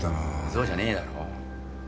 そうじゃねえだろ。